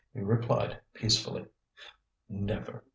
He replied peacefully: "Never!